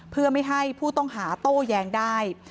เพื่อไม่ให้ผู้ต้องหาโต้แย้งได้